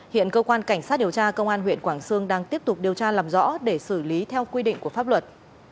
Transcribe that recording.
hiện cơ quan cảnh sát điều tra công an huyện quảng sương đang tiếp tục điều tra làm rõ để xử lý theo quy định của pháp luật